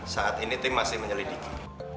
saat ini tim masih menyelidiki